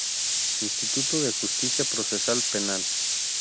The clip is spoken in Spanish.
Instituto de Justicia Procesal Penal.